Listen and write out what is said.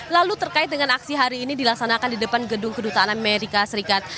lalu terkait dengan aksi hari ini dilaksanakan di depan gedung kedutaan amerika serikat